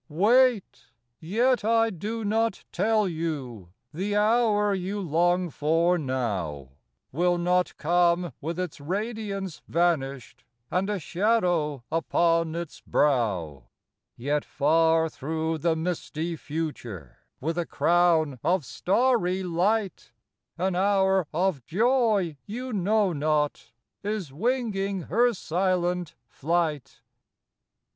Wait; yet I do not tell you The hour you long for now Will not come with its radiance vanished, And a shadow upon its brow ; Y&t far through the misty future, With a crown of starry light, An hour of joy you know not, Is winging her silent flight.